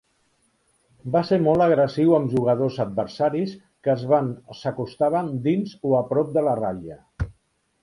Va ser molt agressiu amb jugadors adversaris que es van s'acostaven dins o a prop de la ratlla.